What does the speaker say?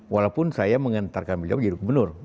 walaupun saya mengantarkan beliau menjadi gubernur